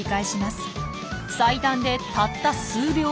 最短でたった数秒！